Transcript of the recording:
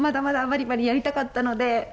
まだまだやりたかったので。